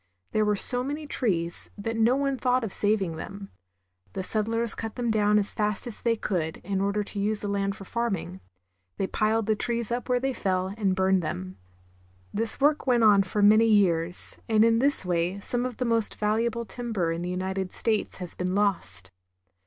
There were so many trees that no one thought of saving them. The settlers cut them down as fast as they could, in order Lumbering. to use the land for farming. They piled the trees up where they fell, and burned them. This work went on for many years, and in this way some of the most valuable timber in the United States has been lost.